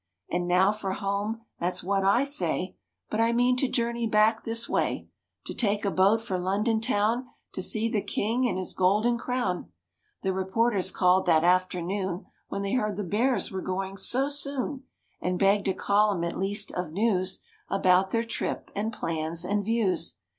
And now for home, that's what I say; But I mean to journey back this way To take a boat for London town To see the king and his golden crown." The reporters called that afternoon When they heard the Bears were going so soon And begged a column at least of news About their trip and plans and views.